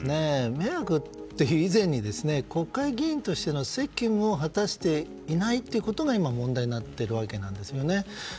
迷惑という以前に国会議員としての責務を果たしていないというのが今、問題になっているわけなんですよね。